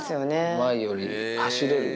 前より走れる。